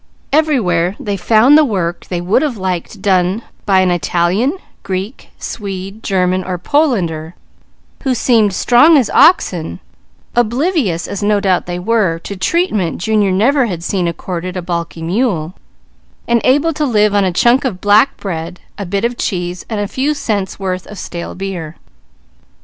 Everywhere they found the work they would have liked done by an Italian, Greek, Swede, German, or Polander who seemed strong as oxen, oblivious, as no doubt they were, to treatment Junior never had seen accorded a balky mule, and able to live on a chunk of black bread, a bit of cheese, and a few cents' worth of stale beer.